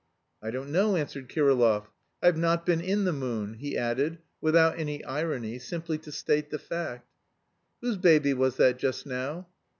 "I don't know," answered Kirillov. "I've not been in the moon," he added, without any irony, simply to state the fact. "Whose baby was that just now?"